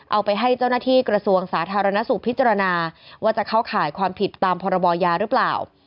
เอาไปให้เจ้าหน้าที่กระทรวงสาธารณสุขพิจารณาว่าจะเข้าข่ายความผิดตามพรบยาหรือเปล่า